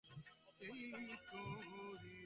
অপু বলিত, মা সেই ঘুটে কুড়োনোর গল্পটা?